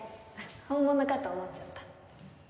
本物かと思っちゃった